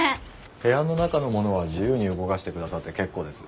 部屋の中のものは自由に動かしてくださって結構です。